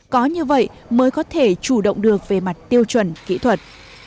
có như vậy mới có thể chủ động được về mặt tiêu chuẩn kỹ thuật